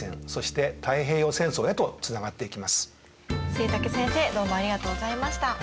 季武先生どうもありがとうございました。